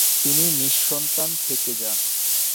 তিনি নিঃসন্তান থেকে যান।